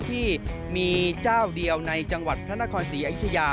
ที่มีเจ้าเดียวในจังหวัดพระนครศรีอยุธยา